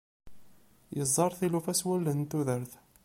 Yeẓẓar tilufa s wallen n tudert.